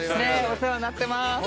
お世話になってまーす。